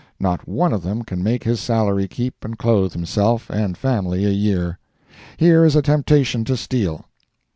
Not one of them can make his salary keep and clothe himself and family a year. Here is a temptation to steal.